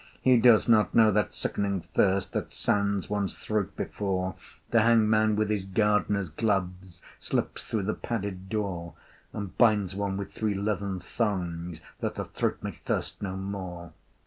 He does not know that sickening thirst That sands one's throat, before The hangman with his gardener's gloves Slips through the padded door, And binds one with three leathern thongs, That the throat may thirst no more.